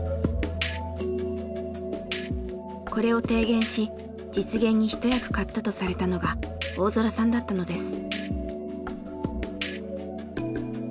これを提言し実現に一役買ったとされたのが大空さんだったのです。